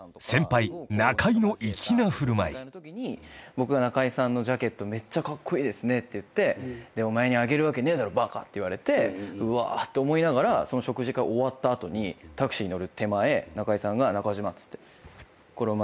僕が中居さんのジャケットめっちゃカッコイイですねって言って「お前にあげるわけねえだろバカ！」って言われてうわーって思いながらその食事会終わった後にタクシーに乗る手前中居さんが「中島」っつって。